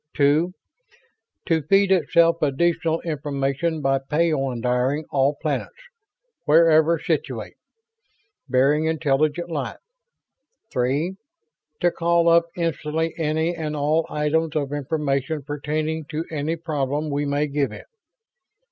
Two, to feed itself additional information by peyondiring all planets, wherever situate, bearing intelligent life. Three, to call up instantly any and all items of information pertaining to any problem we may give it.